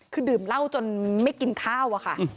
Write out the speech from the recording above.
คือดื่มเหล้าจนไม่กินข้าวอะค่ะ